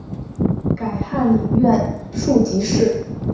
改翰林院庶吉士。